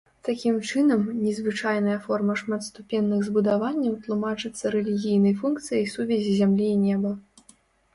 Такім чынам, незвычайная форма шматступенных збудаванняў тлумачыцца рэлігійнай функцыяй сувязі зямлі і неба.